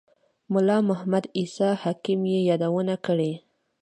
ملا محمد عیسی حکیم یې یادونه کړې.